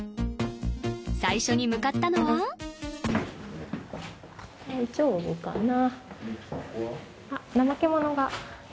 最初に向かったのは大丈夫かな？